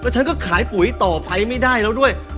ฉันก็ขายปุ๋ยต่อไปไม่ได้แล้วด้วย